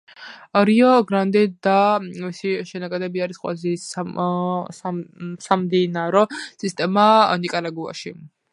რიო გრანდე და მისი შენაკადები არის ყველაზე დიდი სამდინარო სისტემა ნიკარაგუაში.